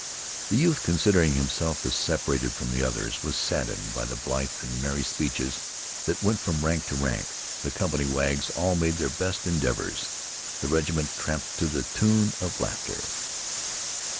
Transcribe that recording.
The youth, considering himself as separated from the others, was saddened by the blithe and merry speeches that went from rank to rank. The company wags all made their best endeavors. The regiment tramped to the tune of laughter.